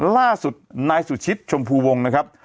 ล่าสุดนายสุชิตชมพูวงนะครับ